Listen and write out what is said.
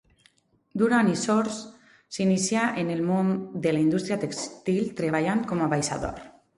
Duran i Sors s'inicià en el món de la indústria tèxtil treballant com a abaixador.